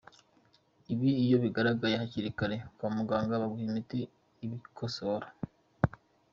Ibi iyo bigaragaye hakiri kare, kwa muganga baguha imiti ibikosora.